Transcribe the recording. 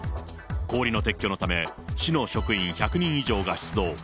氷の撤去のため、市の職員１００人以上が出動。